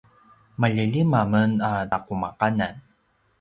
malje lima men a taqumaqanan